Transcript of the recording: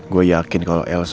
gue yakin kalau elsa